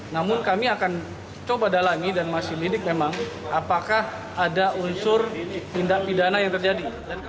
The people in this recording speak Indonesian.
namun kami akan coba dalami dan masih lidik memang apakah ada unsur tindak pidana yang terjadi